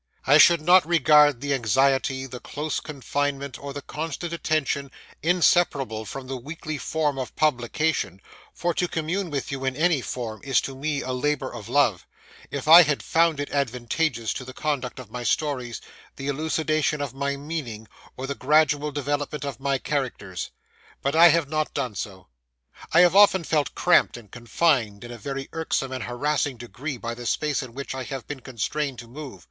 I should not regard the anxiety, the close confinement, or the constant attention, inseparable from the weekly form of publication (for to commune with you in any form is to me a labour of love) if I had found it advantageous to the conduct of my stories, the elucidation of my meaning, or the gradual development of my characters. But I have not done so. I have often felt cramped and confined in a very irksome and harassing degree by the space in which I have been constrained to move.